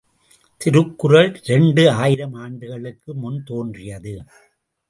திருக்குறள் இரண்டு ஆயிரம் ஆண்டுகளுக்கு முன் தோன்றியது.